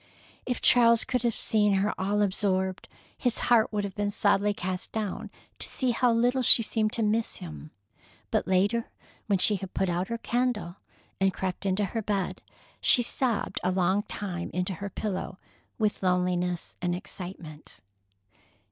If Charles could have seen her all absorbed, his heart would have been sadly cast down to see how little she seemed to miss him. But later, when she had put out her candle and crept into her bed, she sobbed a long time into her pillow with loneliness and excitement.